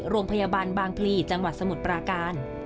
โรงพยาบาลบางพลีจังหวัดสมุทรปราการ